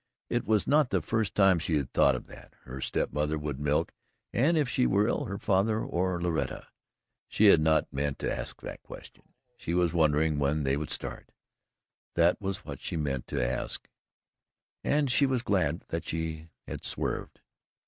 It was not the first time she had thought of that her step mother would milk and if she were ill, her father or Loretta. She had not meant to ask that question she was wondering when they would start. That was what she meant to ask and she was glad that she had swerved.